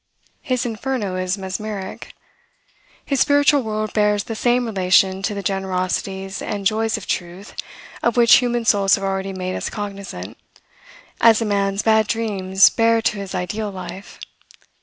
His Inferno is mesmeric. His spiritual world bears the same relation to the generosities and joys of truth, of which human souls have already made us cognizant, as a man's bad dreams bear to his ideal life.